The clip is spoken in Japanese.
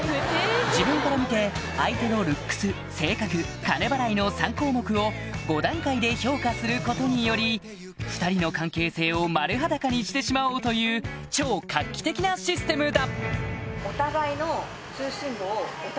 自分から見て相手の「ルックス性格金払い」の３項目を５段階で評価することにより２人の関係性を丸裸にしてしまおうという超画期的なシステムだ！